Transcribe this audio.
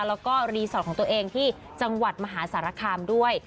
แล้วก็รีสอร์ทของตัวเองที่จังหวัดมหาสารคามด้วย